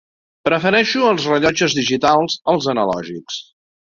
Prefereixo els rellotges digitals als analògics.